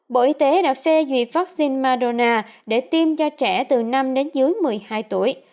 bộ y tế đã phê duyệt vaccine mardona để tiêm cho trẻ từ năm đến dưới một mươi hai tuổi